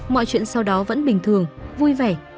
mọi chuyện sau đó vẫn bình thường vui vẻ